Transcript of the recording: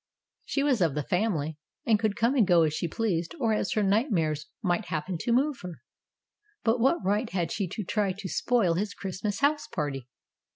She was of the family, and could come and go as she pleased or as her nightmares might happen to move her; but what right had she to try to spoil his Christmas house party?